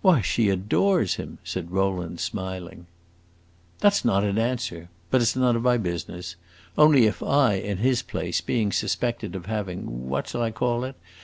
"Why, she adores him," said Rowland, smiling. "That 's not an answer! But it 's none of my business. Only if I, in his place, being suspected of having what shall I call it?